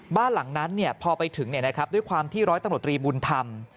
บ้านหลังนั้นพอไปถึงด้วยความที่ร้อยตำรวจรีบุญธรรม